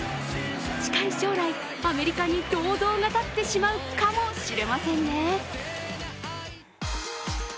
近い将来、アメリカに銅像が建ってしまうかもしれませんね。